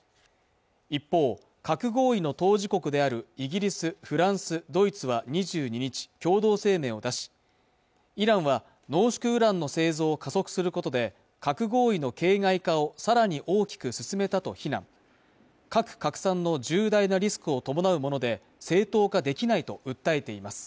一方核合意の当事国であるイギリス、フランス、ドイツは２２日共同声明を出しイランは濃縮ウランの製造を加速することで核合意の形骸化をさらに大きく進めたと非難核拡散の重大なリスクを伴うもので正当化できないと訴えています